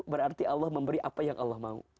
berarti allah memberi apa yang allah mau